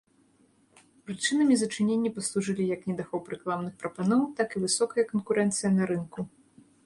Прычынамі зачынення паслужылі як недахоп рэкламных прапаноў, так і высокая канкурэнцыя на рынку.